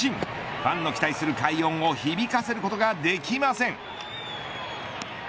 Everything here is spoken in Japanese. ファンの期待する快音を響かせることができません。